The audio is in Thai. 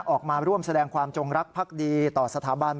ออกมาร่วมแสดงความจงรักภักดีต่อสถาบัน